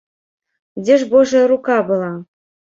Дзе ж божая рука была?!.